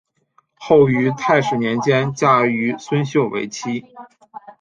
后于泰始年间嫁于孙秀为妻。